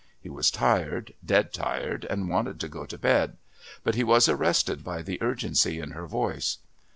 He was tired, dead tired, and wanted to go to bed, but he was arrested by the urgency in her voice.